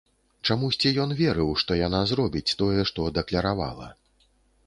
Чамусьці ён верыў, што яна зробіць тое, што дакляравала.